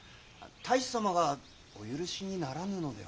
太守様がお許しにならぬのでは？